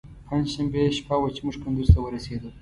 پنجشنبې شپه وه چې موږ کندوز ته ورسېدو.